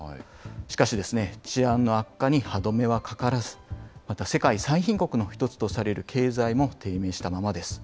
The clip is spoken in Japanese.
しかし、治安の悪化に歯止めはかからず、また世界最貧国の一つとされる経済も低迷したままです。